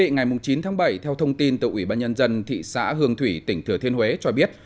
ngày chín tháng bảy theo thông tin từ ủy ban nhân dân tp hcm cho biết